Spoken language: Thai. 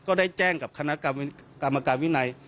ก็ได้แจ้งกับคณะกรรมการวินัย